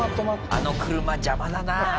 あの車邪魔だな。